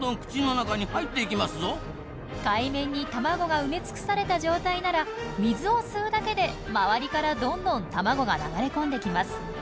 海面に卵が埋め尽くされた状態なら水を吸うだけで周りからどんどん卵が流れ込んできます。